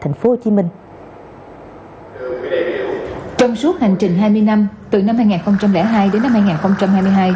trong suốt hành trình hai mươi năm từ năm hai nghìn hai đến năm hai nghìn hai mươi hai